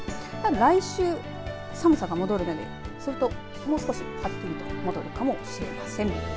来週は、寒さが戻るのでそうすると、もう少しはっきりと見えるかもしれません。